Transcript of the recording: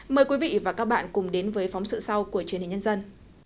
mời quý vị và các bạn cùng đến với phóng sự sau của truyền hình nhân dân